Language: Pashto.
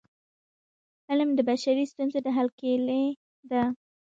علم د بشري ستونزو د حل کيلي ده.